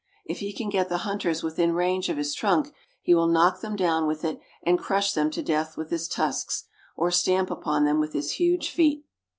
If he can get the hunters within range of his trunk, he will knock them down with it and crush them to death with his tusks, or stamp upon them with his huge feet.